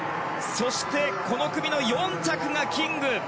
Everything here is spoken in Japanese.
そしてこの組の４着がキング。